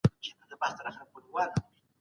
بریتونه کمول سنت دي.